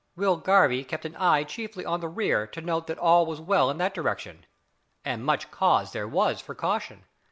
Will Garvie kept an eye chiefly on the rear to note that all was well in that direction. And much cause was there for caution!